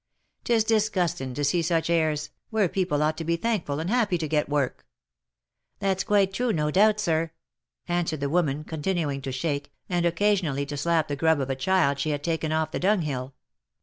Tis disgusting to see such airs, where people ought to be thankful and happy to get work." " That's quite true, no doubt, sir," answered the woman, con tinuing to shake, and occasionally to slap the grub of a child she had taken off the dunghill.